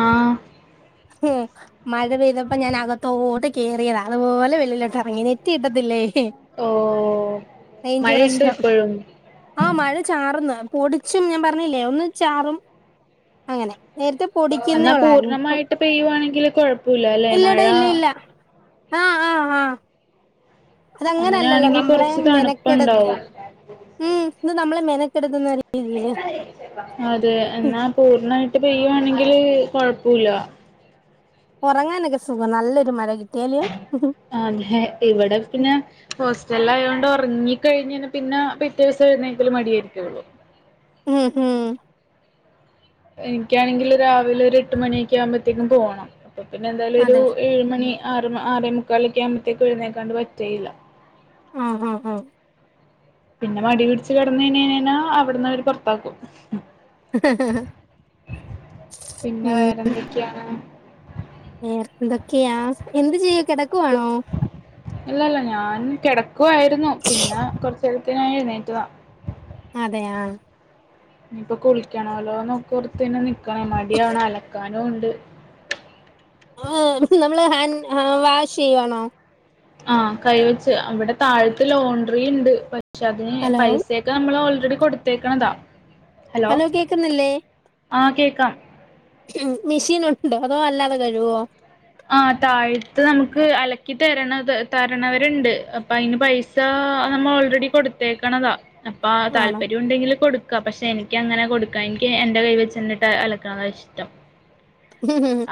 ആഹ് ഹെ മഴ പെയ്തപ്പോ ഞാൻ അകത്തോട്ട് കേറിയതാ അതുപോലെ വെളിലോട്ട് എറങ്ങി നെറ്റ് കിട്ടത്തില്ലേ ഓ റൈഞ്ച് മഴയുണ്ടോ പ്രശ്നം ഇപ്പോഴും ആഹ് മഴ ചാറ്ന്ന് പൊടിച്ചും ഞാൻ പറഞ്ഞില്ലേ ഒന്ന് ചാറും അങ്ങനെ നേരത്തെ പൊടിക്കുന്നേ ഒള്ളായിരുന്നു ഇപ്പം പെയ്യുവാണെങ്കില് കൊഴപ്പുല്ലാലെ മഴ ഇല്ലടാ ഇല്ല ഇല്ല ആഹ് ആഹ് ആഹ് അതങ്ങനെല്ലല്ലോ അങ്ങനെയാണെങ്കി നമ്മളെ കുറച്ച് മെനക്കെടുത്ത് തണുപ്പുണ്ടാവും ഉം ഇത് നമ്മളെ മെനക്കെടുത്തുന്നാരി അതെ എന്നാ പൂർണായിട്ട് പെയ്യുവാണെങ്കില് കൊഴപ്പുല്ല ഒറങ്ങാനൊക്കെ സുഖം നല്ലൊരു മഴ കിട്ട്യാല് അല്ല്യോ അതെ ഇവിടെ പിന്നെ ഹോസ്റ്റലിലായോണ്ട് ഒറങ്ങി കഴിഞ്ഞന്നെ പിന്നെ പിറ്റേ ദിവസം എഴുന്നേൽക്കല് മടിയായിരിക്കു ഉം ഉം എനിക്കാണെങ്കില് രാവിലെ ഒരു എട്ട് മണിയോക്കെ ആവുമ്പത്തേക്കും പോണം അപ്പൊ പിന്നെ എന്തായാലും ഒരു അതെ ഏഴ് മണി ആറ് ആറേമുക്കാലൊക്കെ ആവുമ്പഴത്തേക്കും എഴുന്നേൽക്കാതെ പറ്റേയില്ല ആഹ് ആഹ് ആഹ് പിന്നെ മടി പിടിച്ച് കിടന്നു കഴിഞ്ഞ്ഞ്ഞേനെന്നാ അവിടന്ന് അവര് പൊറത്താക്കും പിന്നെ ഉം വേറെന്തൊക്കെണ്? വേറെ എന്തൊക്കെയാ എന്ത് ചെയ്യാ കെടക്കുവാണോ? അല്ലല്ല ഞാൻ കെടക്കുവായിരുന്നു പിന്നെ കൊർച്ച് നേരത്തെ ഞാൻ എഴുന്നേറ്റതാ അതെ ആഹ് ഇഞ്പ്പൊ കുളിക്കണല്ലോ നോക്കോർത്ത്ങ്ങനെ നിക്ണ മടി അവടെ അലക്കാനും ഉണ്ട് മ്മള് നമ്മള് ഹാൻ വാഷ് ചെയ്യുവാണോ? ആഹ് കൈവച്ച് അവിടെ താഴത്ത് ലോണ്ട്രി ഇണ്ട് പക്ഷെ അതിന് ഹലോ പൈസെ ത് നമ്മള് ഓൾറെഡി കൊടുത്തേക്ണതാ ഹലോ ആഹ് കേക്കാം ഉം മെഷീൻ ഉണ്ടോ അതോ അല്ലാതെ കഴുവോ ആഹ് താഴത്ത് നമുക്ക് അലക്കി തര്ണത് തര്ണവരുണ്ട് അപ്പൊ അയ്ന് പൈസ ഇതാ നമ്മള് ഓൾറെഡി കൊടുത്തേക്ണതാ അപ്പ ആണോ താല്പര്യം ഉണ്ടെങ്കിൽ കൊടു ക്കാ പക്ഷെ എനിക്ക് അങ്ങനെ കൊടുക്കാൻ എനിക്ക് എന്റെ കൈ വെച്ചിട്ട് അലക്ണതാ ഇഷ്ടം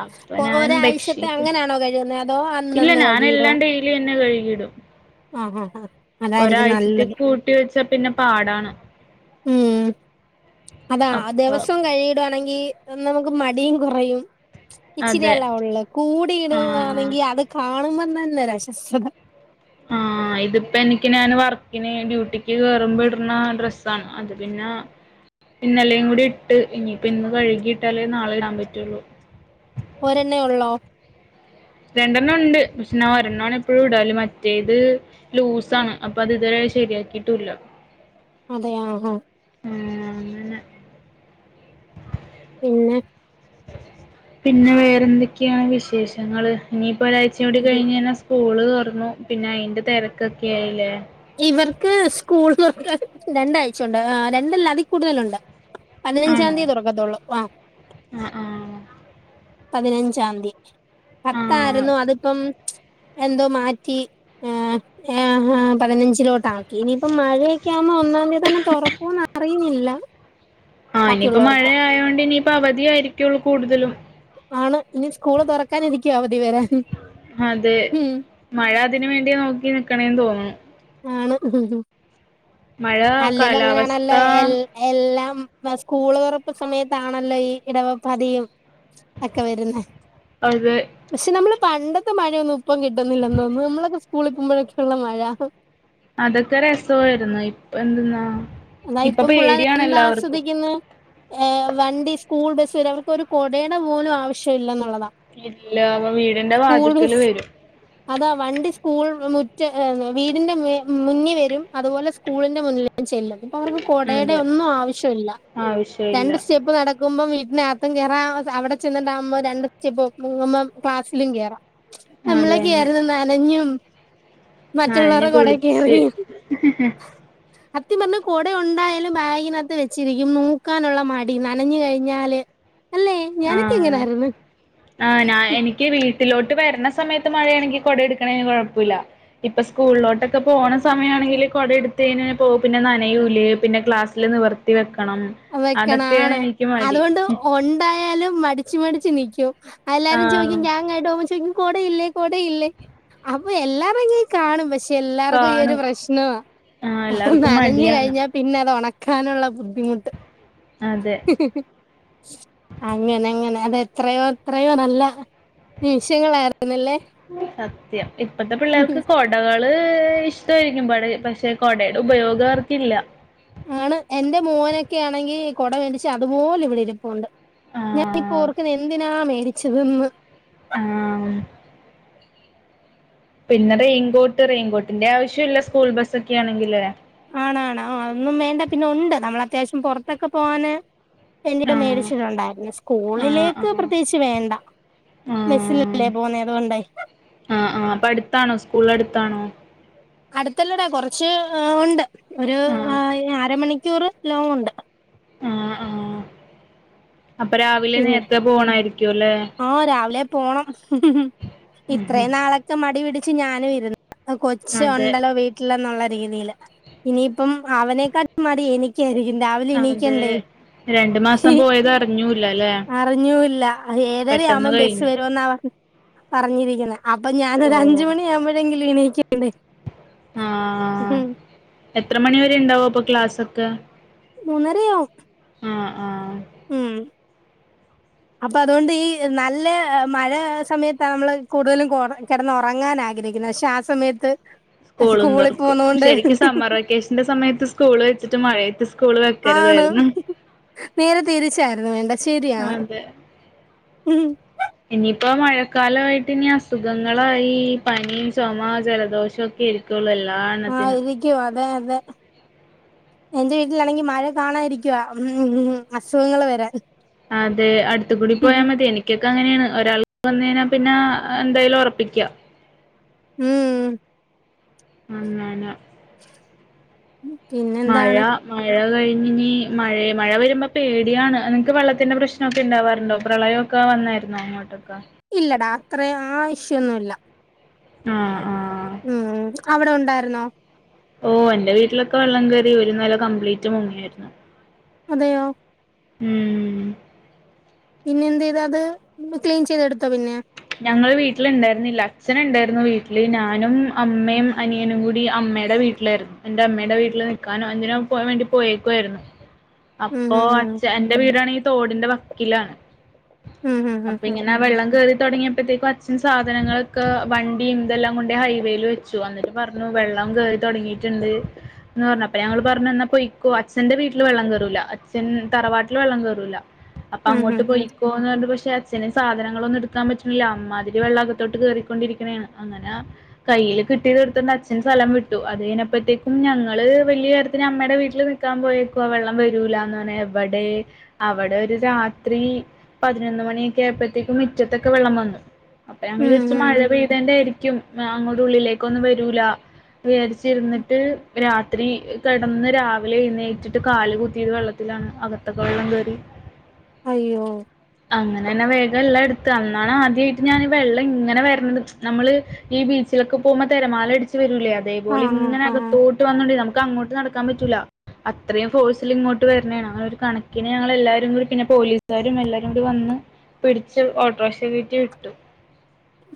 അപ്പൊ ഞാൻ ഒരാഴ്ച്ചത്തെ ബെഡ്ഷീറ്റ് അങ്ങനെണോ കഴിയുന്നത് അതോ അന്ന് അന്ന് കഴികിടോ യില്ന്നെ കഴികിടും ആഹ് ആഹ് ആഹ് അതായിരിക്കും ഒരാഴ്ചത്തേക്ക് നല്ലത് കൂട്ടി വെച്ച പിന്നെ പാടാണ് ഉം അതാ അപ്പൊ ദിവസം കഴികിടണെങ്കി നമുക്ക് മടിയും കുറയും അതെ ഇച്ചിരിയെല്ലെ ഒള്ളെ കൂടി ആ ഇടവാണെങ്കി അത് കാണുമ്പോ തന്നെ ഒരു അശസ്ഥത ആഹ് ഇതിപ്പ എനിക്കി ഞാൻ വർക്കിന് ഡ്യൂട്ടിക്ക് കേറുമ്പോ ഇട്ണ ഡ്രസ്സാണ് അത് പിന്നെ ഇന്നലെയും കൂടി ഇട്ട് ഇനിയിപ്പ ഇന്ന് കഴുകിയിട്ടാലേ നാളെ ഇടാൻ പറ്റുള്ളൂ ഓരെണ്ണേ ഒള്ളോ? രണ്ടെണ്ണം ഉണ്ട് പക്ഷേ ഒരെണ്ണം എപ്പഴും ഇടല് മറ്റേത് ലൂസാണ് അപ്പൊ അത് ഇതുവരെ ശരിയാക്കിട്ടുല്ല അതെയാ ആഹ് ആഹ് അങ്ങനെ പിന്നെ പിന്നെ വേറെ എന്തൊക്കെയാ വിശേഷങ്ങള് ഇനിപ്പോ ഒരാഴ്ച്ചയൂടി കഴിഞ്ഞാന്ന സ്കൂള് തോറന്നു പിന്നെ അയിന്റെ തെരക്കൊക്കെ ആയില്ലേ ഇവർക്ക് സ്കൂള് തൊർക്കാൻ രണ്ടാഴ്ച്ചുണ്ട് രണ്ടല്ല അതികൂടുതലുണ്ട് ആണോ പതിനഞ്ചാന്തി തൊറക്കത്തൊള്ളു ആഹ് ആഹ് ആഹ് പതിനഞ്ചാന്തി ആഹ് പത്തായിര്ന്നു അതിപ്പം എന്തോ മാറ്റി ആഹ് ഏ ഹെ പതിനഞ്ചിലോട്ടാക്കി ഇനിയിപ്പം മഴയൊക്കെ ആവുമ്പം ഒന്നാന്തി തന്നെ തൊറക്കോന്നറിയുന്നില്ല ആഹ് ഇനിയിപ്പോ മഴയായോണ്ട് ഇനിയിപ്പ അവധിയായിരിക്കുള്ളു കൂടുതലും ആണ് ഇനി സ്കൂള് തൊറക്കാനിരിക്ക അവധി വെരാൻ അതെ ഉം മഴ അതിനുവേണ്ടി നോക്കി നിക്കണേന്ന് തോന്നുണു ആണ് മഴ അല്ലേലും കാലാവസ്ഥ അങ്ങനെണല്ലൊ എൽ എല്ലാം സ്കൂള് തൊറപ്പ് സമയത്താണല്ലോ ഈ ഇടവ പ്പാതിയും ഒക്കെ വെരുന്നെ അതെ പക്ഷെ നമ്മളെ പണ്ടത്തെ മഴയൊന്നും ഇപ്പം കിട്ടുന്നില്ലെന്ന് തോന്നുന്നു നമ്മളൊക്കെ സ്കൂളി പോമ്പോഴൊക്കെള്ള മഴ അതൊക്കെ രസായിരുന്നു ഇപ്പെന്ത്‌ന്നാ അതാ ഇപ്പം പുള്ളാര് എന്താസ്വദിക്ക്ന്ന് ഏ വണ്ടി സ്കൂൾ ബസ് വെരെ അവർക്ക് ഒരു കൊടേടെ പോലും ആവശ്യല്ലന്നുള്ളതാ ഇല്ല അപ്പ വീടിന്റെ വാതിക്കല് വെരും അതാ വണ്ടി സ്കൂൾ മുറ്റ വീടിന്റെ മുന്നി വെരും അതുപോലെ സ്കൂളിന്റെ മുന്നിലും ചെല്ലും ഇപ്പ അവർക്ക് കൊടേടെ അതെ ഒന്നും ആവശ്യല്ല ആവശ്യമില്ല രണ്ട് സ്റ്റെപ്പ് നട ക്കുമ്പം വീട്ടിനകത്തും കേറാ അവടെ ചെന്ന്ട്ടാവുമ്പോ രണ്ട് സ്റ്റെപ് വെയ്ക്കുമ്പോ ക്ലാസ്സിലും കേറാ അത് നമ്മളെ തന്നെ നനഞ്ഞും നനഞ്ഞ് മറ്റുള്ളവരുടെകൊടെ കുളിച്ച് കേറിയും സത്യം പർഞ്ഞ കൊട ഒണ്ടായാലും ബാഗിനകത്ത് വെച്ചിരിക്കും നോക്കാനുള്ള മടി നനഞ്ഞു കഴിഞ്ഞാല് അല്ലേ ആഹ് ഞാനൊക്കങ്ങനാര്ന്ന് ആഹ് ഞാൻ എനിക്ക് വീട്ടിലോട്ട് വെര്ണ സമയത്ത് മഴയാണെങ്കി കൊടട്ക്കണേന് കൊഴപ്പുല്ല ഇപ്പ സ്കൂളിലോട്ടൊക്കെ പോണ സമയാണെങ്കില് കൊട എടുത്ത് കയിഞ്ഞാ പിന്നെ നനയൂലെ പിന്നെ ക്ലാസ്സില് നിവർ ത്തി വെക്കണം വെക്കണം അതൊക്കെയാണ് ആണ് എനിക്ക് മടി അതുകൊണ്ട് ഒൺ ണ്ടായാലും മടിച്ച് മടിച്ച് നിക്കും എല്ലാരും ആഹ് ചോയ്ക്കും ഞാങ്ങട്ടോമ്പോ ചോയ്ക്കും കൊടയില്ലേ കൊടയില്ലേ അപ്പൊ എല്ലാവങ്ങി കാണും പക്ഷേ എല്ലാർക്കും ഈ ഒരു കാണും പ്രശ്ന ആഹ് അപ്പൊ എല്ലാർക്കും നനഞ് മടിയാണ് കഴിഞ്ഞ പിന്നത് ഒണക്കാനുള്ള ബുദ്ധിമുട്ട് അതെ ഉം ഉം അങ്ങനങ്ങനെ അതെത്രയോ എത്രയോ നല്ല നിമിഷങ്ങളായിരുന്നല്ലേ സത്യം ഇപ്പത്തെ പിള്ളേർക്ക് കൊട ടകള് ഇഷ്ടായിരിക്കും പട പക്ഷെ കൊടയുടെ ഉപയോഗവർക്കില്ല ആണ് എന്റെ മോനൊക്കാണെങ്കി കൊട മേടിച്ച് അതുപോലെ ഇവിടെ ഇരിപ്പുണ്ട് ഞാനിപ്പോ ആഹ് ഓർക്കുന്നു എന്തിനാ മേടിച്ചതെന്ന് ആഹ് പിന്നെ റെയിൻകോട്ട് റെയിൻകോട്ടിന്റെ ആവശ്യല്ല സ്കൂൾ ബസ്സൊക്കാണെങ്കി ലെ ആണാണ് അതൊന്നും വേണ്ട പിന്നെ ഒണ്ട് നമ്മളത്യാവശ്യം പൊർത്തൊക്കെ പോവാന് വേണ്ടീട്ട് ആഹ് മേടിച്ചിട്ടൊണ്ടായിര്ന്നു ആഹ് സ്കൂളിലേക്ക് ആഹ് പ്രത്യേകിച്ച് വേണ്ട ആഹ് ബെസ്സിലല്ലേ പോന്നെ അതോണ്ടെ ആഹ് ആഹ് അപ്പട്ത്താണോ സ്കൂളട്ത്താണോ അട്ത്തല്ലടാ കൊറച്ച് ഒണ്ട് ഒരു ആഹ് അര മണിക്കൂറ് ലോങൊണ്ട് ആഹ ആഹ അപ്പൊ രാവിലെ നേരത്തെ പോണായിരിക്കും അല്ലെ ഓഹ് രാവിലെ പോണം ഇത്രയും നാളൊക്കെ മടി പിടിച്ച് ഞാനും ഇരുന്നു കൊച്ച അതെ ഉണ്ടല്ലോ വീട്ടിലന്നുള്ള രീതിൽ ഇനിയിപ്പം അവനെക്കാ മടി എനിക്കായിരിക്കും രാവിലെ എണീക്കണ്ടേ രണ്ട് മാസം പോയത് അറിഞ്ഞൂല്ല അല്ലേ അറിഞ്ഞൂല്ല ഒര് ഏഴര ആവുമ്പോം ബസ്സ് കഴിഞ്ഞു വരുമെന്നാണ് പറഞ്ഞിരിക്കുന്നത് അപ്പൊ ഓ ഞാനൊര അഞ്ച് മണി ആവ്മ്പഴെങ്കിലും എണിയിക്കണ്ടേ ആഹ് എത്ര മണി വരെ ഉണ്ടാവും അപ്പൊ ക്ലാസ് ഒക്കെ മൂന്നരയോ ആഹ് ആഹ് ഉം [unintelligible] അപ്പൊ അതുകൊണ്ട് ഈ നല്ല മഴ സമയത്ത നമ്മള് കൂടുതലും കിടന്ന് ഉറങ്ങാൻ ആഗ്രഹിക്കും ക്കുന്ന പക്ഷെ ആ സമയത്ത് സ്കൂളും ത സ്കൂളിൽ തുറക്കും പോന്നോണ്ട് ശെരിക്കും സമ്മർ വെക്കേഷന്റെ സമയത്ത് സ്കൂൾ വെച്ചിട്ട് മഴയത്ത് സ്കൂള് ആണ് വെക്കരുതായിരുന്നു നേരെ തിരിച്ചായിരുന്നു വേണ്ടെ ശരിയാണ് അതെ ഉം ഇനിയിപ്പോ മഴക്കാലമായിട്ട് ഇനി അസുഖങ്ങളായി പനിയും ചുമ ജലദോഷം ഒക്കെ ഇരിക്കും ക്കുള്ളൂ അല്ലാ ആഹ ഇരിക്കും അതെ അതെ എന്റെ വീട്ടിലാണെങ്കി മഴ കാണാ ഇരിക്കുവ ഉം അസുഖങ്ങള് വരാൻ അതെ അടുത്ത് കൂടി പോയാൽ മതി എനിക്ക് ക്കെ അങ്ങനെയാണ് ഒരാൾക്ക് വന്ന കഴിഞ്ഞാൽ പിന്നെ എന്തായാലും ഒറപ്പിക്ക ഉം ഉം അയെന്നെ ഉം മയ മഴ കഴിഞ്ഞിനി മഴേ മഴ വരുമ്പോ പേടിയാണ് നിങ്ങക്ക് വെള്ളത്തിന്റെ പ്രശ്നൊക്കെ ഇണ്ടാവാറുണ്ടോ പ്രളയം ഒക്കെ വന്നായിരുന്നു അങ്ങോട്ടൊക്കെ ഇല്ലടാ അത്ര ആ ഇഷ്യൂന്നുല്ല ആഹ് ആഹ് ഉം അവിടെ ഉണ്ടായിരുന്നോ ഓഹ് എന്റെ വീട്ടിലൊക്കെ വെള്ളം കേറി ഒരു നില കംപ്ലീറ്റ് മുങ്ങിയായിരുന്നു അതെയോ ഉം പിന്നെന്ത്യ്താ അത് ക്ലീൻ ചെയ്തെടുത്താ പിന്നെ ഞങ്ങള് വീട്ടില് ഇണ്ടേര്ന്നില്ല അച്ഛന് ഇണ്ടേര്ന്നു വീട്ടില് ഞാനും അമ്മയും അനിയനും കൂടി അമ്മേടെ വീ ട്ടിലായിരുന്നു എന്റെ അമ്മയുടെ വീട്ടിൽ നിക്കാനോ എന്തിനോ പോ വേണ്ടി പോയേക്കുവായിരുന്നു ഉം അപ്പൊ അച്ഛ എന്റെ വീടാണെങ്കി തോടിന്റെ വക്കിലാണ് ഉം ഉം ഉം ഉം അപ്പൊ ഉം ഇങ്ങനെ വെള്ളം കേറി തുടങ്ങിയപ്പോഴത്തേക്കും അച്ഛൻ സാധനങ്ങളൊക്കെ വണ്ടി ഇതെല്ലാം കൊണ്ട ഹൈവേയിൽ വെച്ചു ന്നിട്ട് പറഞ്ഞു വെള്ളം കേറി തൊടങ്ങിയിട്ടുണ്ട് ന്ന് പറഞ്ഞു അപ്പൊ ഞങ്ങള് പറഞ്ഞു ഇന്നാ പൊയിക്കോ അച്ഛന്റെ വീട്ടില് വെള്ളം കയറൂല അച്ഛൻ തറവാട്ടില് വെള്ളം കയറൂല അപ്പൊ ഉം ഉം അങ്ങോട്ട് ഉം ഉം പോയിക്കോന്ന്ണ്ട് പക്ഷെ അച്ഛനും സാധനങ്ങളൊന്നും എടു ക്കാൻ പറ്റ്ണില്ല അമ്മാതിരി വെള്ളം അകത്തോട്ട് കേറിക്കൊണ്ടിരിക്കണേണ് അങ്ങനെ കയ്യില് കിട്ടിയത് എടുത്തണ്ട് അച്ഛൻ സ്ഥലം വിട്ടു അത് കഴിഞ്ഞ് അപ്പഴത്തേക്കും ഞങ്ങള് വലിയ കാര്യത്തില് അമ്മയുടെ വീട്ടില് നി ക്കാൻ പോയേക്കുവ വെള്ളം വരൂലാന്ന് പറഞ്ഞ് എവടെ അവടെ ഒരു രാത്രി പതിനൊന്ന് മണിയൊക്കെയപ്പോഴത്തേക്കും മുറ്റത്തൊക്കെ വെള്ളം വന്നു അപ്പൊ ഞങ്ങൾ ഉം വിചാര്ച്ച് ഉം മഴ പെ യ്തെൻ്റായിരിക്കും അങ്ങോട്ട് ഉള്ളിലേക്കൊന്നും വരൂല. വിചാരിച്ചിരുന്നിട്ട് രാത്രി കിടന്ന് രാവിലെ എഴുന്നേറ്റിട്ട് കാല് കൂത്തിയത് വെള്ള ത്തിലാണ് അകത്തൊക്കെ വെള്ളം കയറി. അയ്യോ അങ്ങനെല്ലാം വേഗംല്ലാം എ ടുത്ത് അന്നാണ് ആദ്യായിട്ട് ഞാൻ വെള്ളം ഇങ്ങനെ വരണത് നമ്മള് ഈ ബീച്ചിലൊക്കെ പോകുമ്പോ തിരമാല അടച്ച് വരൂലേ? ആഹ് അതേപോലെങ്ങന ആഹ് ആഹ് അകത്തോട്ട് വന്നിണ്ട് നമുക്കങ്ങോട്ട് നടക്കാൻ പറ്റില്ല. അത്രയും ഫോഴ്സിൽ ഇങ്ങോട്ട് വരണാണ് അങ്ങനെ ഒരു കണക്കിന് ഞങ്ങളെല്ലാരും കൂടി പിന്നെ പോലീസുകാരും എല്ലാരും കൂടി വന്ന് പിടിച്ച് ഓട്ടോറിക്ഷ കേറ്റി വിട്ടു.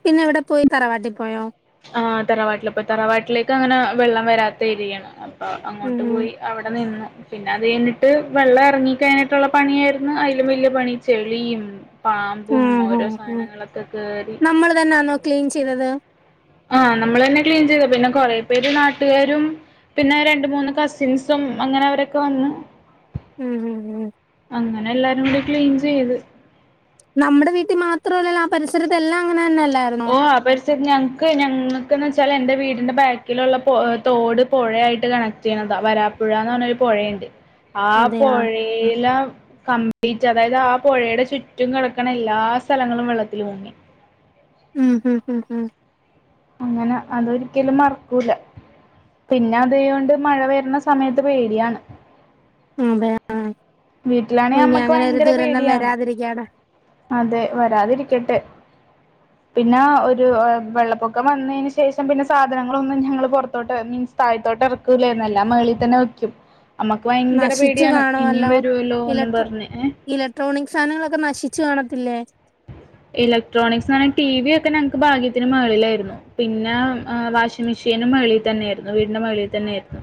പിന്നെ എവിടെ പോയി തറവാട്ടിൽ പോയോ? ആഹ് തറവാട്ടിലപ്പൊ തറവാട്ടിലേക്ക് അങ്ങനെ വെള്ളം വരാത്ത ഏരിയാണ് അപ്പൊ ഉം അങ്ങോട്ട് ഉം പോയി. അവിടെ നിന്നു. പിന്നെ അത് കഴിഞ്ഞിട്ട് വെള്ളം ഇറങ്ങി കഴിഞ്ഞിട്ടുള്ള പണിയയിരുന്നു അതിലും വല്യ പണി ചെളിയും പാമ്പും ഓരോ സാധനങ്ങളൊക്കെ കേറി തന്നാണോ ക്ലീൻ ചെയ്തത്? ആഹ് നമ്മളെന്നെ ക്ലീൻ ചെയ്തു പിന്നെ കൊറെ പേര് നാട്ടുകാരും പിന്നെ രണ്ട് മൂന്ന് കസിൻസും അങ്ങനെ അവരൊക്കെ വന്ന് ഉം ഉം ഉം അങ്ങനെ എല്ലാരും കൂടി ക്ലീൻ ചെയ്ത്. നമ്മുടെ വീട്ടിൽ മാത്രമല്ലല്ലോ ആ പരിസരത്തെ എല്ലാം അങ്ങനെന്നെ അല്ലായി ഓഹ് ആ ഞങ്ങക്ക് ഞങ്ങൾക്കെന്നച്ചാൽ എൻ്റെ വീടിന്റെ ബാക്കിലുള്ള തോട് പുഴയായിട്ട് കണ ണതാ വരാപ്പുഴന്നറഞ്ഞരു പുഴയുണ്ട് ആ അതെയാ പുഴയില കംപ്ലീറ്റ് അതായത് ആ പുഴയുടെ ചുറ്റും കിടക്കണ എല്ലാ സ്ഥലങ്ങളും വെള്ളത്തിൽ മുങ്ങി. ഉം ഉം ഉം ഉം അങ്ങനെ അതൊരിക്കലും മറക്കൂല. പിന്നെ അതൊണ്ട് മഴ വരുന്ന സമയത്ത് പേടിയാണ്. അതെ വീട്ടിലാണെ ഇനി അമ്മക്ക് അങ്ങനെ ഒരു ഭയങ്കര ദുരന്തം പേടിയാണ് വരാതിരിക്കട്ടെ അതെ വരാതിരിക്കട്ടെ. പിന്നെ ഒരു വെള്ളപ്പൊക്കം വന്നന് ശേഷം പിന്നെ സാധനങ്ങളൊന്നും ഞങ്ങൾ പുറത്തോട്ട് മീൻസ് താഴത്തോട്ട് ഇറക്കില്ലാരുന്നു എല്ലാം മേളിൽ തന്നെ വെക്കും നമ്മുക്ക് ഭയങ്കര നശിച്ചു പേടിയാണ് ഇനിയും വ രുവല്ലോന്നും പർഞ്ഞ് എഹ് ഇലക്ട്രോണിക്സാനങ്ങളൊക്കെ നശിച്ചു കാണത്തില്ലേ? ഇലക്ട്രോണിക്സാനം ടി വിയൊക്കെ ഞങ്ങക്ക് ഭാഗ്യത്തിന് മേളിലായിരുന്നു പിന്നാ വാഷിംഗ് മെഷീനും മേളി തന്നെരുന്നു വീടിന്റെ മേളിതന്നെയിരുന്നു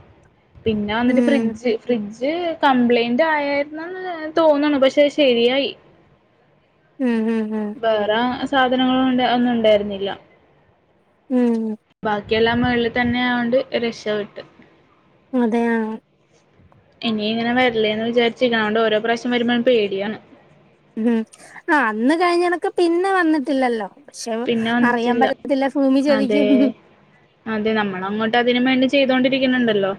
പിന്നാന്നിട്ട് ഉം ഫ്രിഡ്ജ് ഫ്രിഡ്ജ് കംപ്ലൈന്റ് ആയേര്ന്നന്ന് തോന്ന്ണു പക്ഷെ അത് ശെരിയായി ഉം ഉം ഉം വേറാ സാധനങ്ങളണ്ട് ഒന്നും ഉണ്ടായിര്ന്നില്ല ഉം ഉം ബാക്കിയെല്ലാം മേളിൽ തന്നെ ആയോണ്ട് രക്ഷപെട്ട് അതെയാ ഇനി ഇങ്ങനെ വരല്ലേന്ന് വിചാരിച്ച്ക്കാണ്ട് ഓരോ പ്രാവശ്യം വരുമ്പ പേടിയാണ് ഉഹുംആ അന്ന് കഴിഞ്ഞണക്ക് പിന്നെ വന്നിട്ടില്ലല്ലോ പക്ഷെ പിന്നെ അറിയാൻ വന്നിട്ടില്ല പറ്റത്തില്ല ഫൂമി അതെ ചതിക്കും അതെ നമ്മളങ്ങോട്ട് അതിനുംമേണ്ടി ചെയ്തോണ്ടിരിക്ക്ന്ന്ണ്ടല്ലോ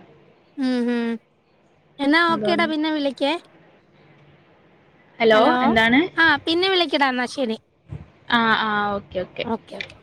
ഉംഹും എന്നാ അതോ ഓക്കേടാ പിന്നെ വിളിക്കേ ഹലോ ആഹ് പിന്നെ വിളിക്കടാന്നാ ശെരി ആ ആ ഓക്കെ ഓക്കെ ഓക്കെ